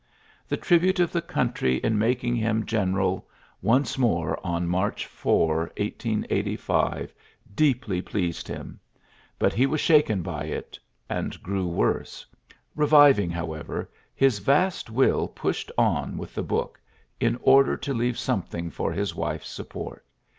The tribute of the country in making him general once more on March 4, 1885, deeply pleased him ; but he was shaken by it, and grew worse. Eeviving, how ever, his vast will pushed on with the book, in order to leave something for his wife's support.